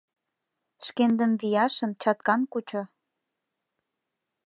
Шкендым вияшын, чаткан кучо».